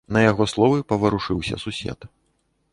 На яго словы паварушыўся сусед.